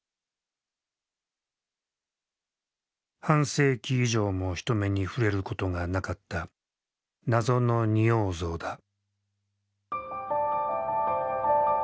半世紀以上も人目に触れることがなかった「謎の仁王像」だ。